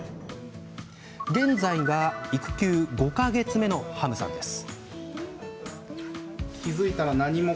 現在、育休５か月目のハムさんです。